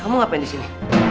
kamu ngapain disini